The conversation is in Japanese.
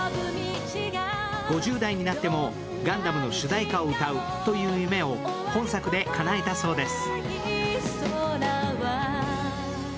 ５０代になっても「ガンダム」の主題歌を歌うという夢を本作でかなえたそうです。